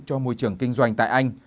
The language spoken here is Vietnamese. cho môi trường kinh doanh tại anh